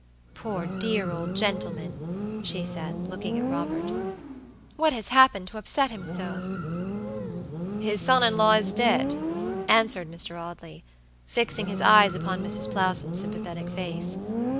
"Poor dear old gentleman," she said, looking at Robert. "What has happened to upset him so?" "His son in law is dead," answered Mr. Audley, fixing his eyes upon Mrs. Plowson's sympathetic face.